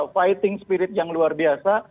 fighting spirit yang luar biasa